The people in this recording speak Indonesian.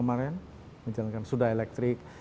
kemarin sudah elektrik